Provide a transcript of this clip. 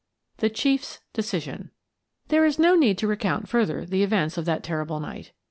THE CHIEF'S DECISION There is no need to recount further the events of that terrible night.